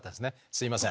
すいません。